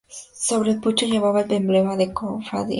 Sobre el pucho lleva el emblema de la cofradía.